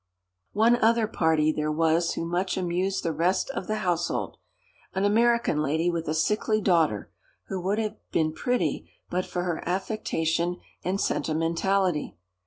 One other party there was who much amused the rest of the household. An American lady with a sickly daughter, who would have been pretty but for her affectation and sentimentality.